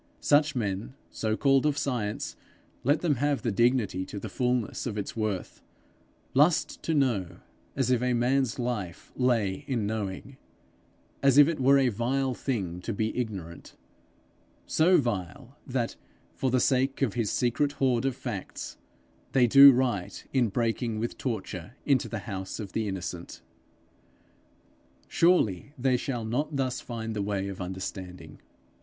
Such men, so called of science let them have the dignity to the fullness of its worth lust to know as if a man's life lay in knowing, as if it were a vile thing to be ignorant so vile that, for the sake of his secret hoard of facts, they do right in breaking with torture into the house of the innocent! Surely they shall not thus find the way of understanding!